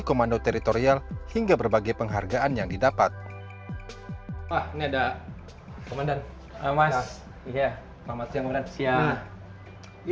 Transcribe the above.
komando teritorial hingga berbagai penghargaan yang didapat wah ini ada komandan